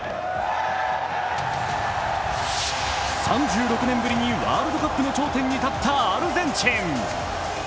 ３６年ぶりにワールドカップの頂点に立ったアルゼンチン。